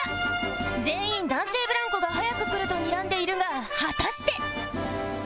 全員男性ブランコが早く来るとにらんでいるが果たして